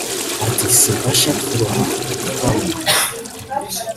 Ati Simbasha kuroha nka mwe